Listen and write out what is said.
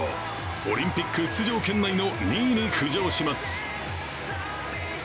オリンピック出場圏内の２位に浮上します。